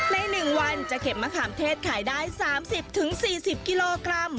ใน๑วันจะเก็บมะขามเทศขายได้๓๐๔๐กิโลกรัม